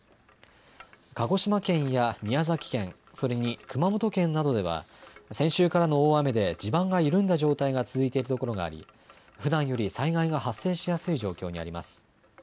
鹿児島県や宮崎県、それに熊本県などでは先週からの大雨で地盤が緩んだ状態が続いているところがありふだんより災害が発生しやすい状況にあります。